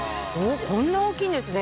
こんな大きいんですね